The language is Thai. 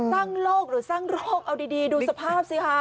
สร้างโรคหรือสร้างโรคเอาดีดูสภาพสิคะ